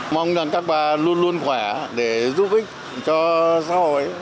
mong rằng các bà luôn luôn khỏe để giúp ích cho xã hội